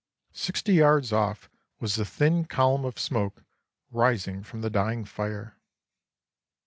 Sixty yards off was the thin column of smoke rising from the dying fire.